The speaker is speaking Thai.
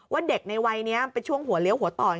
เด็กในวัยนี้เป็นช่วงหัวเลี้ยวหัวต่อย